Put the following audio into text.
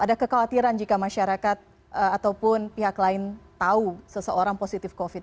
ada kekhawatiran jika masyarakat ataupun pihak lain tahu seseorang positif covid